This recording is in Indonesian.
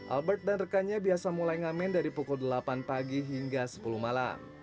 albert dan rekannya biasa mulai ngamen dari pukul delapan pagi hingga sepuluh malam